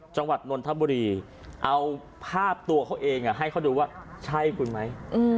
นนทบุรีเอาภาพตัวเขาเองให้เขาดูว่าใช่คุณไหม